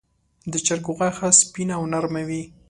د چرګ غوښه سپینه او نرمه وي.